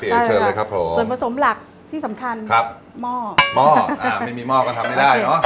เดี๋ยวเชิญเลยครับผมส่วนผสมหลักที่สำคัญครับหม้อหม้ออ่าไม่มีหม้อก็ทำไม่ได้เนอะ